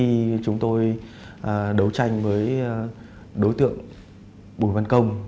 khi chúng tôi đấu tranh với đối tượng bùi văn công